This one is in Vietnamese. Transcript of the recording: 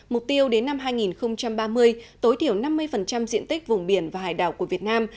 mục tiêu đến năm hai nghìn ba mươi tối thiểu năm mươi diện tích vùng biển và hải đảo của việt nam